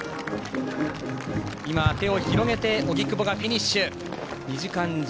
手を広げて荻久保がフィニッシュ。